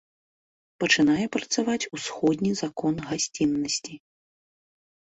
Пачынае працаваць усходні закон гасціннасці.